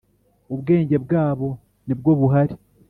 Ubwenge bwabo nibwo buhari.